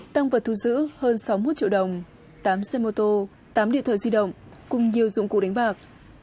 tăng vật thu giữ hơn sáu mươi một triệu đồng tám xe mô tô tám điện thoại di động cùng nhiều dụng cụ đánh bạc